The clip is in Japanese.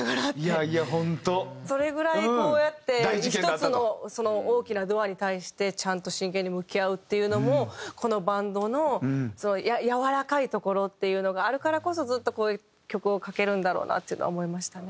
それぐらいこうやって１つの大きなドアに対してちゃんと真剣に向き合うっていうのもこのバンドのやわらかいところっていうのがあるからこそずっとこういう曲を書けるんだろうなっていうのは思いましたね。